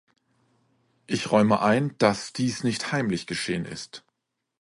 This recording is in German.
Ich räume ein, dass dies nicht heimlich geschehen ist.